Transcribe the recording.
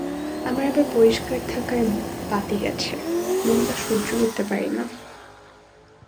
আমার আবার পরিষ্কার থাকার বাতিক আছে, নোংরা সহ্য করতে পারি না।